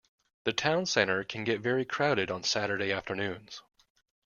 The town centre can get very crowded on Saturday afternoons